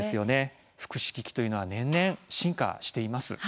福祉機器は年々進化しています。